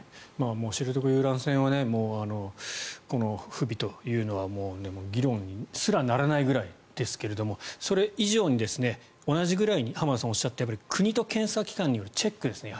知床遊覧船は不備というのは議論にすらならなくらいですがそれ以上に同じぐらいに浜田さんがおっしゃった国と検査機関によるチェックですね